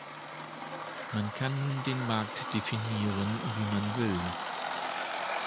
Man kann nun den Markt definieren, wie man will.